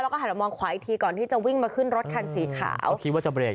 แล้วก็หันมามองขวาอีกทีก่อนที่จะวิ่งมาขึ้นรถคันสีขาวคิดว่าจะเรก